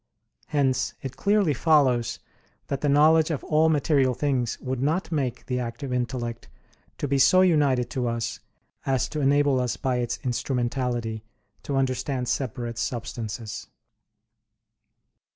Hence it clearly follows that the knowledge of all material things would not make the active intellect to be so united to us as to enable us by its instrumentality to understand separate substances.